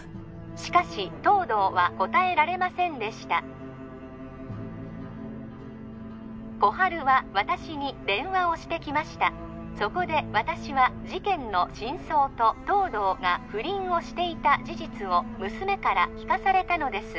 しかし東堂は答えられませんでした心春は私に電話をしてきましたそこで私は事件の真相と東堂が不倫をしていた事実を娘から聞かされたのです